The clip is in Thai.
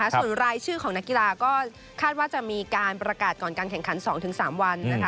ส่วนรายชื่อของนักกีฬาก็คาดว่าจะมีการประกาศก่อนการแข่งขัน๒๓วัน